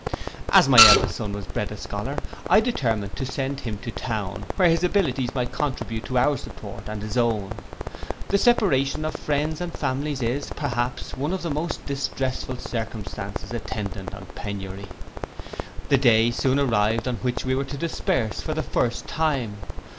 As my eldest son was bred a scholar, I determined to send him to town, where his abilities might contribute to our support and his own. The separation of friends and families is, perhaps, one of the most distressful circumstances attendant on penury. The day soon arrived on which we were to disperse for the first time.